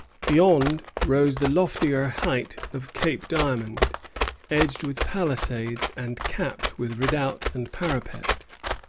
Beyond rose the loftier height of Cape Diamond, edged with palisades and capped with redoubt and parapet.